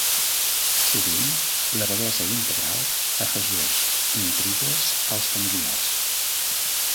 Sovint la bellesa integral afegeix intrigues als familiars.